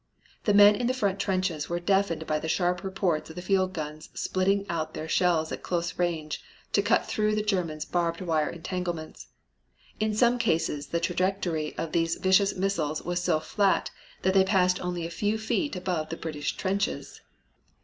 The men in the front trenches were deafened by the sharp reports of the field guns spitting out their shells at close range to cut through the Germans' barbed wire entanglements. In some cases the trajectory of these vicious missiles was so flat that they passed only a few feet above the British trenches.